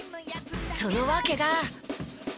その訳が。